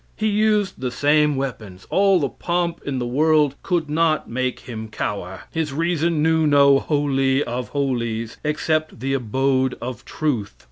He used the same weapons. All the pomp in the world could not make him cower. His reason knew no "Holy of Holies," except the abode of truth.